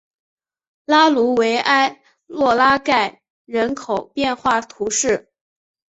拉卢维埃洛拉盖人口变化图示